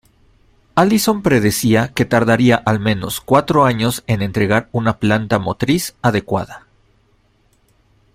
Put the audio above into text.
Allison predecía que tardaría al menos cuatro años en entregar una planta motriz adecuada.